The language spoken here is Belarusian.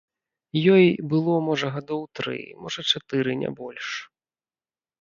Ёй было можа гадоў тры, можа чатыры, не больш.